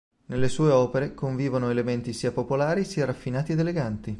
Nelle sue opere convivono elementi sia popolari sia raffinati ed eleganti.